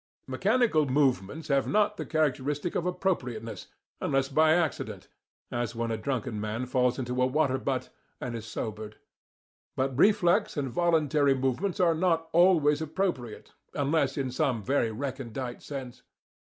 Mechanical movements have not the characteristic of appropriateness, unless by accident, as when a drunken man falls into a waterbutt and is sobered. But reflex and voluntary movements are not ALWAYS appropriate, unless in some very recondite sense.